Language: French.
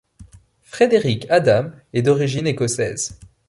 Frederick Adam est d'origine écossaise.